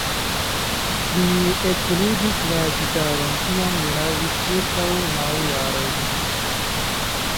Li ekludis la gitaron kiam li havis ĉirkaŭ naŭ jarojn.